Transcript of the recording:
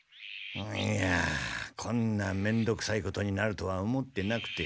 いやこんなめんどくさいことになるとは思ってなくて。